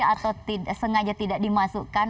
atau sengaja tidak dimasukkan